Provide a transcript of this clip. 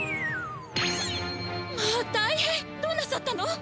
まあたいへんどうなさったの？